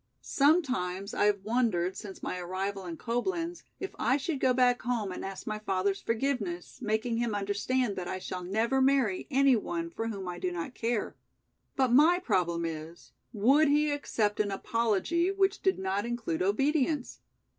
Sometimes, I have wondered since my arrival in Coblenz, if I should go back home and ask my father's forgiveness, making him understand that I shall never marry any one for whom I do not care. But my problem is, would he accept an apology which did not include obedience?